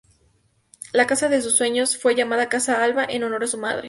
La casa de sus sueños fue llamada "Casa Alva", en honor a su madre.